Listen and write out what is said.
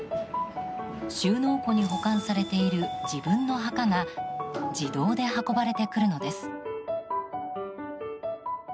収納庫に保管されている自分の墓が自動で運ばれてくるのです。